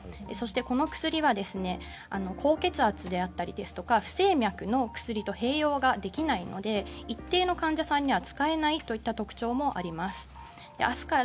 そして、この薬は高血圧であったり不整脈の薬と併用ができないので一定の患者さんには使えないといった特徴もあります。